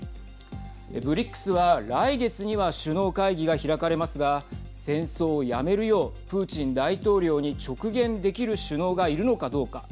ＢＲＩＣＳは来月には首脳会議が開かれますが戦争をやめるようプーチン大統領に直言できる首脳がいるのかどうか。